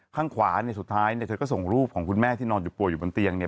ข้างขวาเนี่ยสุดท้ายเนี่ยเธอก็ส่งรูปของคุณแม่ที่นอนอยู่ป่วยอยู่บนเตียงเนี่ย